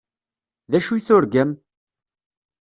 D acu i turgam?